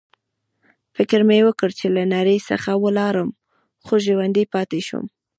فکر مې وکړ چې له نړۍ څخه ولاړم، خو ژوندی پاتې شوم.